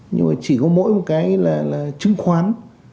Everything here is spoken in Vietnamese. nhưng mà chỉ có mỗi một cái là chứng khoán